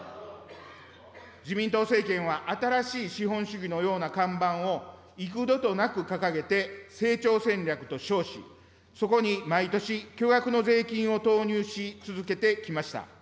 自民党政権は、新しい資本主義のような看板を幾度となく掲げて、成長戦略と称し、そこに毎年巨額の税金を投入し続けてきました。